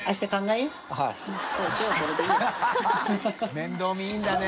面倒見いいんだね。